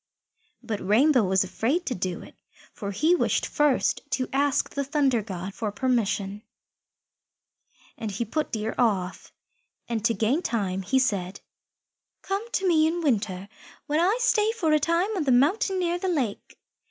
But Rainbow was afraid to do it, for he wished first to ask the Thunder God for permission, and he put Deer off, and to gain time he said, "Come to me in winter, when I stay for a time on the mountain near the lake.